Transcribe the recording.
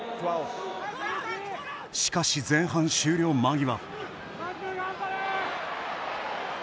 しかし、前半終了間際。